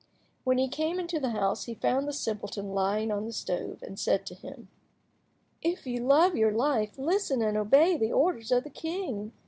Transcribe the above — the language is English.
When he came into the house he found the simpleton lying on the stove, and said to him— "If you love your life, listen and obey the orders of the king.